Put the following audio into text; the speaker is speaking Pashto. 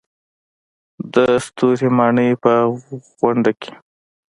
د ستوري ماڼۍ په غونډه کې.